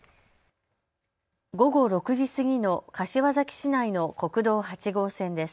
午後６時過ぎの柏崎市内の国道８号線です。